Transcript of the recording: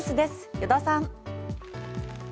依田さん。